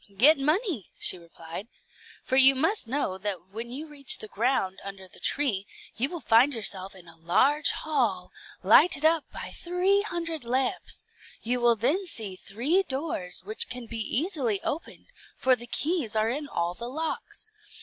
"Get money," she replied; "for you must know that when you reach the ground under the tree, you will find yourself in a large hall, lighted up by three hundred lamps; you will then see three doors, which can be easily opened, for the keys are in all the locks.